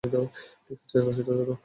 ঠিক আছে, রশিটা ধরো।